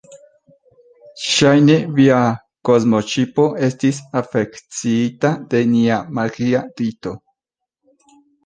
Ŝajne, via kosmoŝipo estis afekciita de nia magia rito.